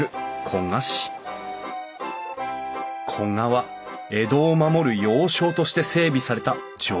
古河は江戸を守る要衝として整備された城下町。